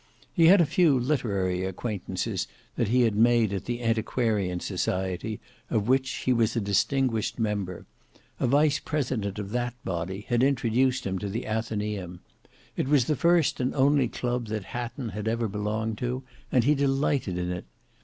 He had a few literary acquaintances that he had made at the Antiquarian Society, of which he was a distinguished member; a vice president of that body had introduced him to the Athenaeum. It was the first and only club that Hatton had ever belonged to, and he delighted in it.